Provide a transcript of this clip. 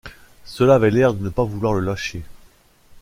Cela avait l’air de ne pas vouloir le lâcher.